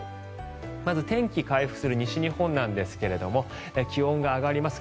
まず天気が回復する西日本ですが気温が上がります。